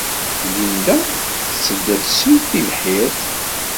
Linda tetteddu ad tesseww tibḥirt.